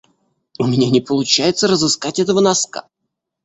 У меня не получается разыскать этого носка.